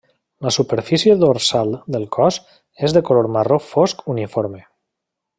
La superfície dorsal del cos és de color marró fosc uniforme.